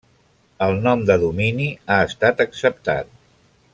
El nom de domini ha estat acceptat.